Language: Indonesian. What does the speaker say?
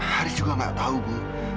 haris juga gak tau bu